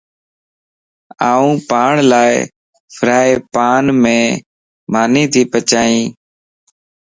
آن پاڻ لافرائي پانيم ماني تي پچائين